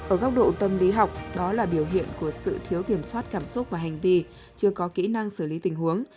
ở góc độ tâm lý học đó là biểu hiện của sự thiếu kiểm soát cảm xúc và hành vi chưa có kỹ năng xử lý tình huống